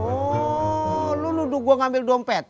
oh lu luduh gue ngambil dompet